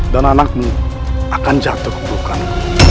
dan anakmu akan jatuh kebukanku